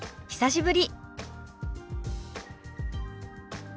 久しぶり。